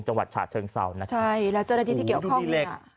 จังหวัดฉะเชิงเศร้านะครับใช่แล้วเจ้าหน้าที่ที่เกี่ยวข้องมีเหล็ก